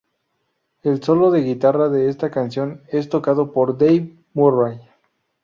El solo de guitarra de esta canción es tocado por Dave Murray.